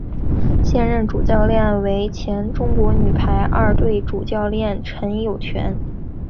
现任主教练为前中国女排二队主教练陈友泉。